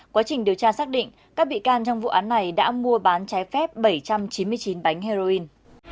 quá trình điều tra xác định các bị can trong vụ án này đã mua bán trái phép bảy trăm chín mươi chín bánh heroin